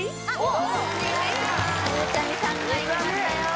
ゆうちゃみさんがいきましたよ